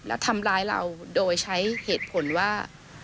และทำร้ายเราโดยใช้เหตุผลว่า